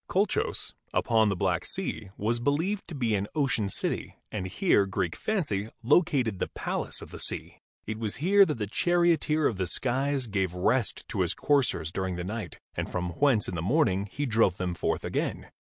Colchos, upon the Black Sea, was believed to be an ocean city, and here Greek fancy located the Palace of the Sea. It was here that the charioteer of the skies gave rest to his coursers during the night and from whence in the morning he drove them forth again.